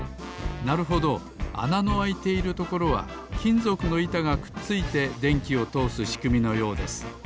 なるほどあなのあいているところはきんぞくのいたがくっついてでんきをとおすしくみのようです。